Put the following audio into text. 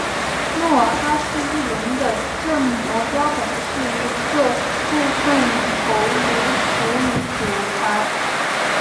努尔哈赤翼龙的正模标本是一个部份头颅骨与骨骸。